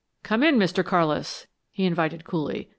"Come in, Mr. Carlis," he invited coolly.